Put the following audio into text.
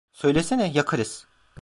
Söylesene, yakarız…